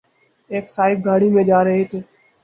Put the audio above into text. ایک صاحب گاڑی میں جارہے تھے